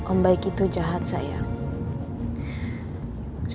om baik itu jahat saya